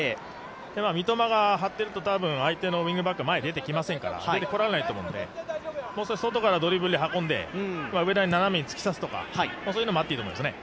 三笘がはってると、多分相手のウイングバックは前へ出てきませんから取られないと思うので、外からドリブルで運んで上田に斜めに突き刺すとかそういうのもあっていいと思いますね。